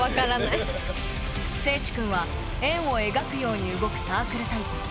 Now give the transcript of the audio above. せいち君は円を描くように動くサークルタイプ。